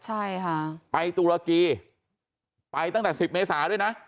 ใช่ค่ะไปตุรกีไปตั้งแต่สิบเมษาด้วยนะ